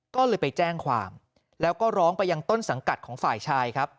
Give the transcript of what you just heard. ก็เลยไปแจ้งความแล้วก็ร้องไปยังต้นสังกัดของฝ่ายชายครับ